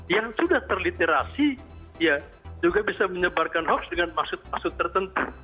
yang sudah terliterasi ya juga bisa menyebarkan hoax dengan maksud maksud tertentu